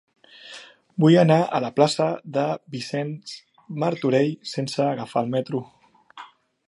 Vull anar a la plaça de Vicenç Martorell sense agafar el metro.